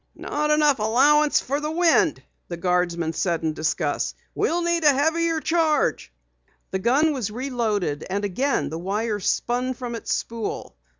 "Not enough allowance for the wind," the guardsman said in disgust. "We'll need a heavier charge." The gun was reloaded, and again the wire spun from its spool.